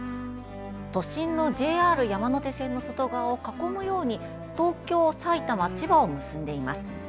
都心のＪＲ山手線の外側を囲むように東京、埼玉、千葉を結んでいます。